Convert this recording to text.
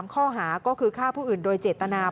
ข้อหาก็คือฆ่าผู้อื่นโดยเจตนา